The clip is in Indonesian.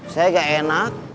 saya gak enak